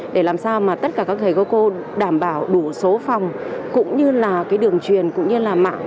để làm sao mà tất cả các thầy cô cô đảm bảo đủ số phòng cũng như là cái đường truyền cũng như là mạng